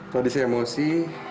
tadi saya emosi